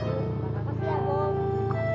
makasih pak maman